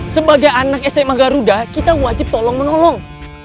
sebagai anak sma garuda kita wajib tolong menolong